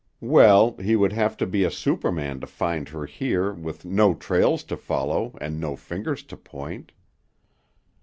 Well, he would have to be a superman to find her here with no trails to follow and no fingers to point.